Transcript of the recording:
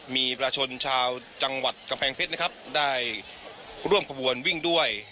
มีประชาชนชาวจังหวัดกำแพงเพชรนะครับได้ร่วมขบวนวิ่งด้วย